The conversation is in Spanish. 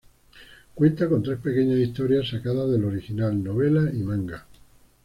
Cuenta con tres pequeñas historias sacadas del original novela y manga.